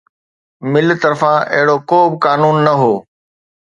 مل طرفان اهڙو ڪو به قانون نه هو